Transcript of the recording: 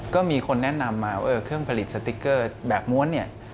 ก็มีคนแนะนำมาว่าเครื่องผลิตสติ๊กเกอร์แบบม้วนเนี่ย